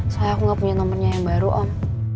soalnya aku gak punya nomernya yang baru om